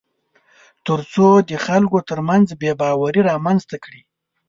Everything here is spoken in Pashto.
تر څو د خلکو ترمنځ بېباوري رامنځته کړي